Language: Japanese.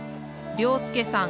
良介さん